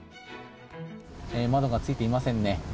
窓がついていませんね。